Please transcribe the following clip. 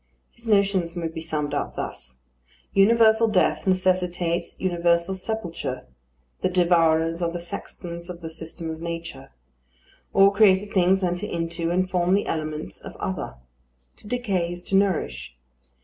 His notions may be summed up thus: universal death necessitates universal sepulture; the devourers are the sextons of the system of nature. All created things enter into and form the elements of other. To decay is to nourish.